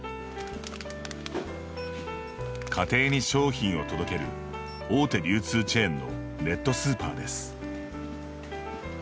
家庭に商品を届ける大手流通チェーンのネットスーパーです。